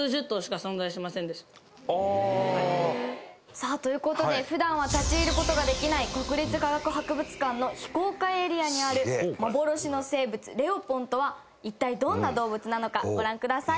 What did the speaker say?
さあ、という事で普段は立ち入る事ができない国立科学博物館の非公開エリアにある幻の生物、レオポンとは一体、どんな動物なのかご覧ください。